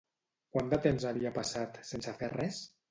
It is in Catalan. Quant de temps havia passat sense fer res?